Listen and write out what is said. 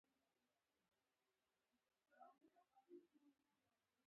هر شى چې مخې ته يې ورسي ټوټې ټوټې کوي يې.